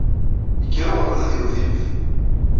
Yekker uɣerda ad yewwet ilef.